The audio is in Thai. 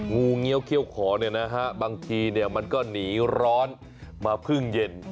งูเงี้ยวเขี้ยวขอเนี่ยนะฮะบางทีเนี่ยมันก็หนีร้อนมาพึ่งเย็น